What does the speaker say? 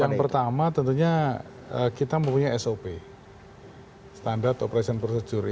yang pertama tentunya kita mempunyai sop standard operation procesture